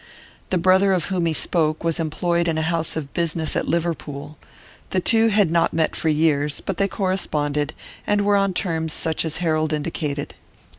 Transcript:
The brother of whom he spoke was employed in a house of business at Liverpool; the two had not met for years, but they corresponded, and were on terms such as Harold indicated.